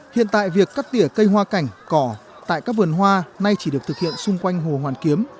hiện tại việc cắt tỉa cây hoa cảnh cỏ tại các vườn hoa nay chỉ được thực hiện xung quanh hồ hoàn kiếm